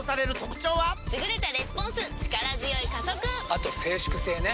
あと静粛性ね。